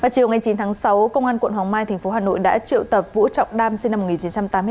chiều chín tháng sáu công an quận hòa mai thành phố hà nội đã triệu tập vũ trọng đam sinh năm một nghìn chín trăm tám mươi tám